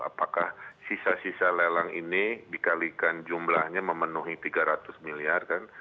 apakah sisa sisa lelang ini dikalikan jumlahnya memenuhi tiga ratus miliar kan